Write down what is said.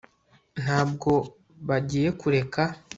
ntabwo bagiye kureka